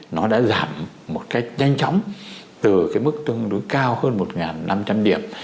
nó đã giảm một cách nhanh chóng từ cái mức tương đối cao hơn một năm trăm linh điểm